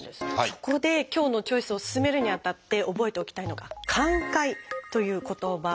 そこで今日の「チョイス」を進めるにあたって覚えておきたいのが「寛解」という言葉なんです。